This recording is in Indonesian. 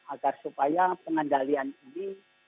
agar supaya pengendalian ini